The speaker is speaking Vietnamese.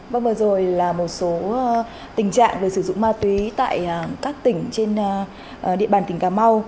vâng vừa rồi là một số tình trạng về sử dụng ma túy tại các tỉnh trên địa bàn tỉnh cà mau